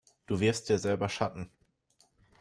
Du wirfst dir selber Schatten.